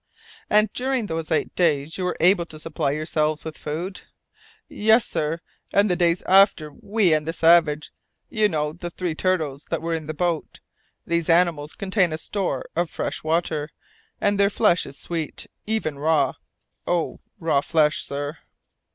"And during those eight days you were able to supply yourselves with food?" "Yes, sir, and the days after we and the savage. You know the three turtles that were in the boat. These animals contain a store of fresh water and their flesh is sweet, even raw. Oh, raw flesh, sir!"